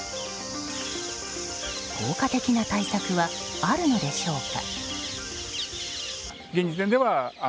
効果的な対策はあるのでしょうか。